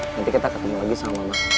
nanti kita ketemu lagi sama mas